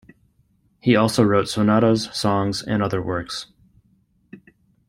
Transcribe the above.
He also wrote sonatas, songs, and other works.